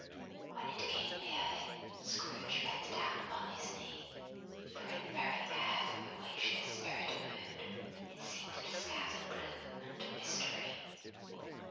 When it came near him, Scrooge bent down upon his knee; for in the very air through which this Spirit moved it seemed to scatter gloom and mystery.